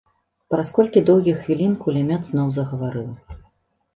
Праз колькі доўгіх хвілін кулямёт зноў загаварыў.